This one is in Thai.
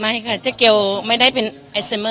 มีไหมบางช่วงที่อยากจะรู้สึกว่าเอ๊ะฉันจำผิดหรือเปล่าหรือยังไง